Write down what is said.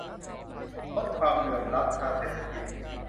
ลดความเหลื่อมล้ำทางเศรษฐกิจ